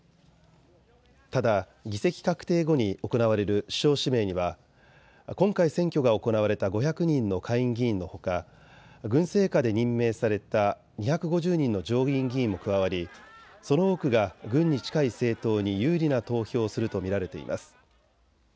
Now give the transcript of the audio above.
ただ議席確定後に行われる首相指名には今回選挙が行われた５００人の下院議員のほか、軍政下で任命された２５０人の上院議員も加わりその多くが軍に近い政党に有利な投票をすると見られています。